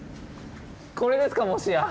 これですかもしや。